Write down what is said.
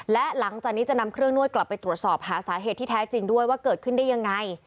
และหลังจากนี้จะนำเครื่องนวดกลับไปตรวจสอบหาสาเหตุที่แท้จริงด้วยว่าเกิดขึ้นได้ยังไง